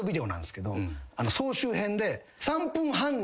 総集編で。